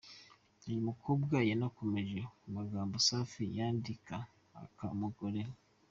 Uyu mukobwa yanakomoje ku magambo Safi yanditse ataka umugore we.